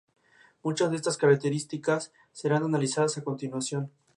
Muchas de estas características serán analizadas a continuación.